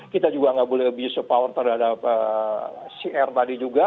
kita juga nggak boleh abuse of power terhadap cr tadi juga